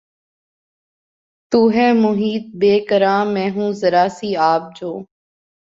تو ہے محیط بیکراں میں ہوں ذرا سی آب جو